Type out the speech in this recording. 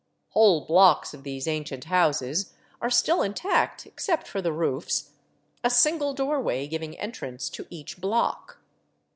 Whole blocks of these ancient houses are still intact, except for the roofs, a single doorway giving entrance to each block.